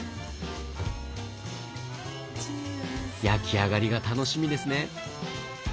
焼き上がりが楽しみですね。